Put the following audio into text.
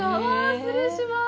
失礼します。